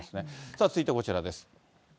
さあ、続いてこちらです。